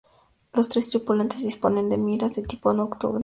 Los tres tripulantes disponen de miras de tipo nocturno.